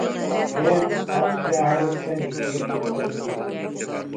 диэн ат дьааһыгыттан испиир куттан киирбит